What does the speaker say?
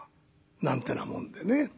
なんてなもんでね。